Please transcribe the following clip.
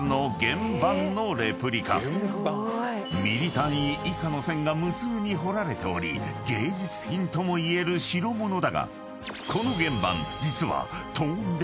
［ミリ単位以下の線が無数に彫られており芸術品ともいえる代物だがこの］